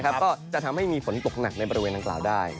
ก็จะทำให้มีผลตกหนักในประเวณต่างได้